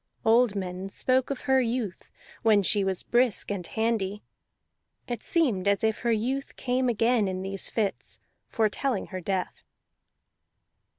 Old men spoke of her youth, when she was brisk and handy; it seemed as if her youth came again in these fits, foretelling her death.